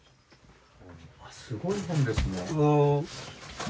すごい本ですね。